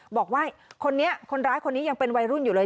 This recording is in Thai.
บอกว่าคนนี้คนร้ายคนนี้ยังเป็นวัยรุ่นอยู่เลย